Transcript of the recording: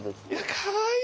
かわいい！